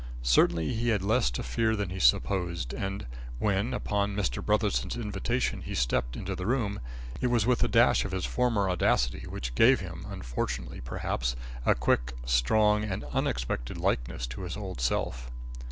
Certainly, he had less to fear than he supposed, and when, upon Mr. Brotherson's invitation, he stepped into the room, it was with a dash of his former audacity, which gave him, unfortunately, perhaps, a quick, strong and unexpected likeness to his old self.